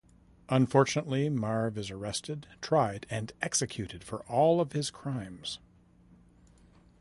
Unfortunately, Marv is arrested, tried, and executed for all of his crimes.